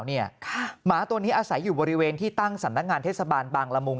หมาตัวนี้อาศัยอยู่บริเวณที่ตั้งสำนักงานเทศบาลบางละมุง